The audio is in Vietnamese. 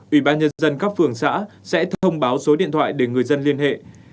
ủy ban nhân dân các phường xã sẽ thông báo số điện thoại để người dân liên hệ